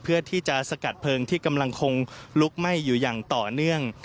เพื่อที่จะสกัดเพลิงที่กำลังคงลุกไหม้อยู่อย่างต่อเนื่อง